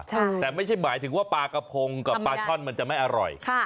เป็นเมี่ยงปลาแต่ไม่ใช่หมายถึงว่าปลากระโพงกับปลาช่อนมันจะไม่อร่อย